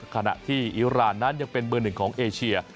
ฐานะที่อิรานนั้นยังเป็นเบอร์๑ของเอเชีย